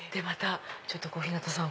ちょっと小日向さん。